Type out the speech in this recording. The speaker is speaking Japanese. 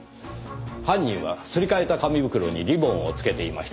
犯人はすり替えた紙袋にリボンを付けていました。